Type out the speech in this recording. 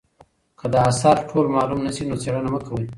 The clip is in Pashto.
که د اثر ډول معلوم نسي نو څېړنه مه کوئ.